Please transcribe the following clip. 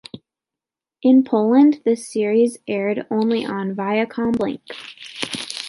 In Poland, this series aired only on Viacom Blink!